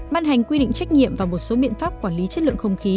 ban hành quy định trách nhiệm và một số biện pháp quản lý chất lượng không khí